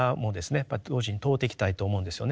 やっぱり同時に問うていきたいと思うんですよね。